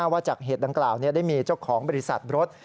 เคลือบหน้าว่าจากเหตุดังกล่าวได้มีเจ้าของบริษัทรถ